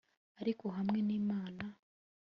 ariko hamwe n'imana